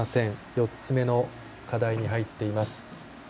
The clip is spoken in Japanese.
４つ目の課題に入っています。